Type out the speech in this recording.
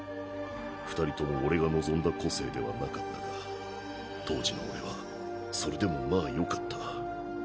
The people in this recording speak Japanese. ２人とも俺が望んだ個性ではなかったが当時の俺はそれでもまぁ良かった。